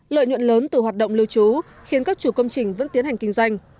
lợi nhuận lớn từ hoạt động lưu trú khiến các chủ công trình vẫn tiến hành kinh doanh